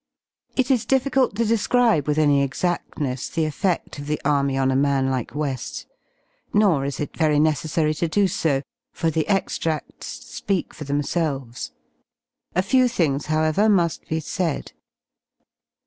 It is difficult to describe with any exactness the effed of the Army on a man like JVe§i, nor is it very necessary to do so, for the extrads speak for themselves. A few things, however, mu^ be said.